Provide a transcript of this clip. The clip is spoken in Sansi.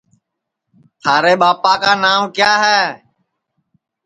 تھارے ٻاپا کا نانٚو کِیا ہے